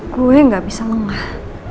gue nggak bisa mengalah